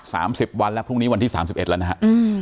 สามสิบวันแล้วพรุ่งนี้วันที่๓๑ละนะฮะ